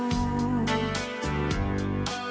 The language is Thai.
มอบจังจังและควัน